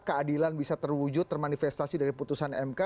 keadilan bisa terwujud termanifestasi dari putusan mk